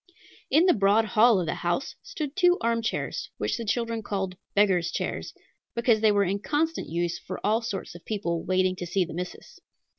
In the broad hall of the house stood two armchairs, which the children called "beggars' chairs," because they were in constant use for all sorts of people, "waiting to see the missus."